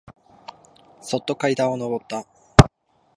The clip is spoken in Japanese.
そっと階段をのぼった。